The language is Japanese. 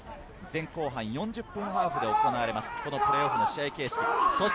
前後半４０分ハーフで行われます、プレーオフの試合形式。